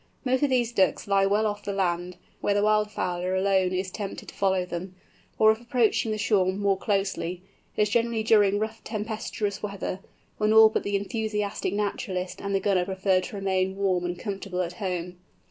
Most of these Ducks lie well off the land, where the wild fowler alone is tempted to follow them; or if approaching the shore more closely, it is generally during rough tempestuous weather, when all but the enthusiastic naturalist and the gunner prefer to remain warm and comfortable at home.